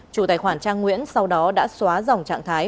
chủ tài khoản trang nguyễn sau đó đã xóa dòng trạng thái